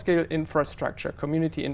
cũng là thử nghiệm tự nhiên